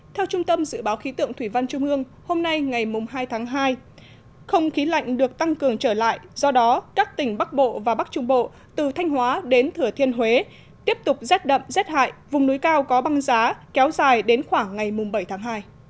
theo trung tâm dự báo khí tượng thủy văn trung ương hôm nay ngày hai tháng hai không khí lạnh được tăng cường trở lại do đó các tỉnh bắc bộ và bắc trung bộ từ thanh hóa đến thừa thiên huế tiếp tục rét đậm rét hại vùng núi cao có băng giá kéo dài đến khoảng ngày bảy tháng hai